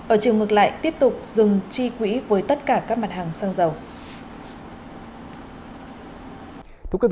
ở chiều ngược lại tiếp tục dừng chi quỹ với tất cả các mặt hàng xăng dầu